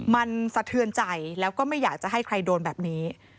มันสะเทือนใจแล้วก็ไม่อยากจะให้ใครโดนแบบนี้